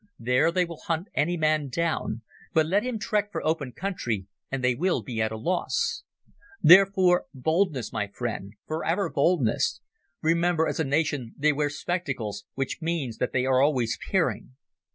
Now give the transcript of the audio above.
There they will hunt any man down, but let him trek for open country and they will be at a loss. Therefore boldness, my friend; for ever boldness. Remember as a nation they wear spectacles, which means that they are always peering."